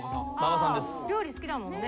料理好きだもんね。